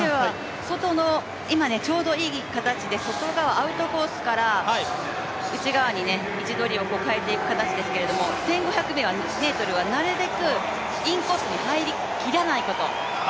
今、ちょうどいい形で、外側、アウトコースから内側に位置取りを変えていく形ですけど、１５００ｍはなるべくインコースに入りきらないこと。